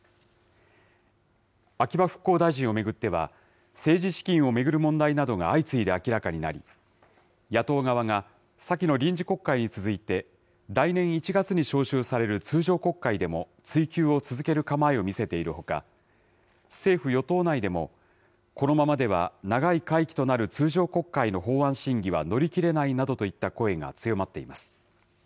秋葉復興大臣を巡っては、政治資金を巡る問題などが相次いで明らかになり、野党側が、先の臨時国会に続いて、来年１月に召集される通常国会でも追及を続ける構えを見せているほか、政府・与党内でも、このままでは長い会期となる通常国会の法案審議は乗り切れないなどといった声が強まっています。